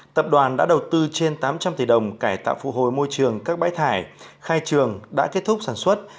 tập đoàn đã đầu tư trên tám trăm linh tỷ đồng cải tạo phụ hồi môi trường các bãi thải khai trường đã kết thúc sản xuất